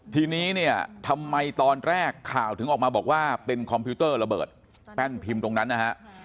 ทีนี้เนี่ยทำไมตอนแรกข่าวถึงออกมาบอกว่าเป็นคอมพิวเตอร์ระเบิดแป้นพิมพ์ตรงนั้นนะฮะ